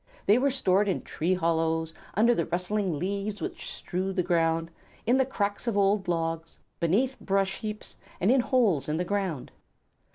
They were stored in tree hollows, under the rustling leaves which strewed the ground, in the cracks of old logs, beneath brush heaps, and in holes in the ground.